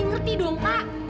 ngerti dong kak